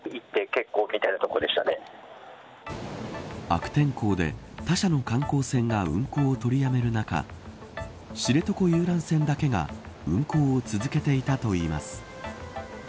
悪天候で他社の観光船が運航を取りやめる中知床遊覧船だけが運航を続けていたといいます。